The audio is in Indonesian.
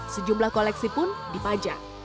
sejumlah koleksi pun dipajak